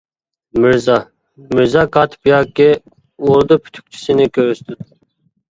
مىرزا: مىرزا-كاتىپ ياكى ئوردا پۈتۈكچىسىنى كۆرسىتىدۇ.